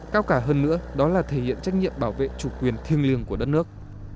cao cả hơn nữa đó là thể hiện trách nhiệm bảo vệ chủ quyền thiêng liêng của đất nước